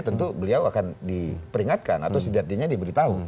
tentu beliau akan diperingatkan atau sejatinya diberitahu